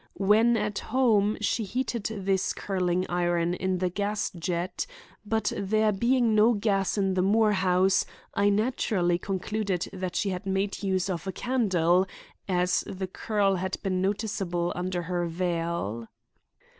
When at home she heated this curling iron in the gas jet, but there being no gas in the Moore house, I naturally concluded that she had made use of a candle, as the curl had been noticeable under her veil."